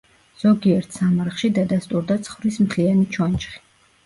ზოგიერთ სამარხში დადასტურდა ცხვრის მთლიანი ჩონჩხი.